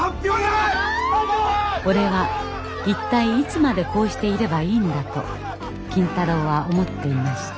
俺は一体いつまでこうしていればいいんだと金太郎は思っていました。